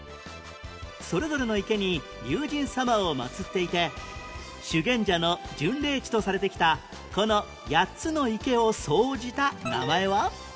それぞれの池に龍神様を祭っていて修験者の巡礼地とされてきたこの８つの池を総じた名前は？